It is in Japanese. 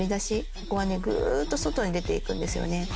ここがねぐーっと外に出ていくんですよね。